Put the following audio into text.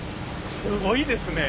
すごいですね。